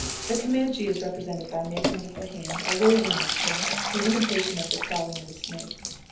The Comanche is represented by making with the hand a waving motion in imitation of the crawling of a snake.